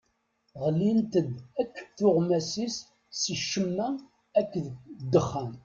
Ɣlint-d akk tuɣmas-is si ccemma akked ddexxan.